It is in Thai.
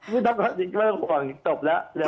ไม่ต้องห่วงจบแล้ว